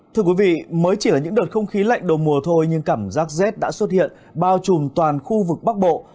thưa quý vị mới chỉ là những đợt không khí lạnh đầu mùa thôi nhưng cảm giác rét đã xuất hiện bao trùm toàn khu vực bắc bộ